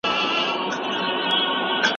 که په هوټل کې خواړه پاک نه وي.